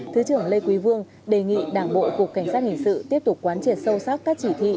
thứ trưởng lê quý vương đề nghị đảng bộ cục cảnh sát hình sự tiếp tục quán triệt sâu sắc các chỉ thị